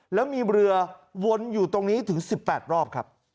แล้วมีเรือวนอยู่ตรงนี้ถึง๑๘รอบครับ